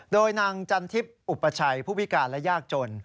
โดยนางจันทิพย์อุปชัยผู้พิการและยากจน